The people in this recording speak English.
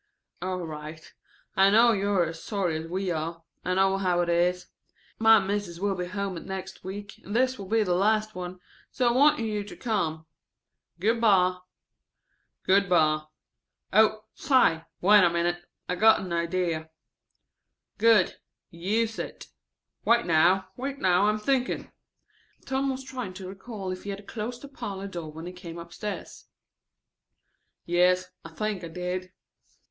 ("All right. I know you are as sorry as we are. I know how it is. My Mis'es will be at home next week and this will be the last one, so I wanted you to come. Good by.") "Good by. Oh, say! Wait a minute. I've got an idea." ("Good; use it.") "Wait now. Wait now, I am thinking." Tom was trying to recall if he had closed the parlor door when he came upstairs. "Yes, I think I did."